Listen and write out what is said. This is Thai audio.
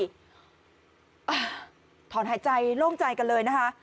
กลับขึ้นมาบนถนนได้อ่าถอนหายใจโล่งใจกันเลยนะคะ